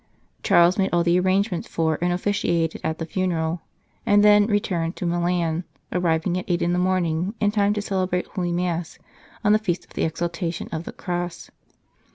Charles made all the arrangements for, and officiated at, the funeral, and then returned to Milan, arriving at eight in the morning, in time to celebrate Holy Mass on the Feast of the Exalta 224 " What went you out to see ?" tion of the Cross.